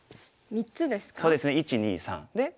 ３つですね。